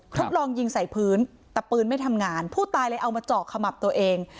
ทดลองยิงใส่พื้นแต่ปืนไม่ทำงานผู้ตายเลยเอามาเจาะขมับตัวเอง